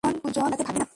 দুজন একসাথে ভাগবে না?